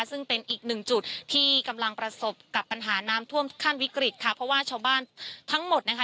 ซึ่งเป็นอีกหนึ่งจุดที่กำลังประสบกับปัญหาน้ำท่วมขั้นวิกฤตค่ะเพราะว่าชาวบ้านทั้งหมดนะคะ